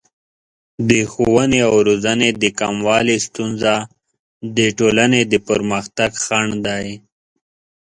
د ښوونې او روزنې د کموالي ستونزه د ټولنې د پرمختګ خنډ دی.